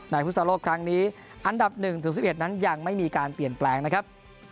ฟุตซอลโลกครั้งนี้อันดับ๑๑นั้นยังไม่มีการเปลี่ยนแปลงนะครับ